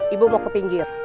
ibu mau ke pinggir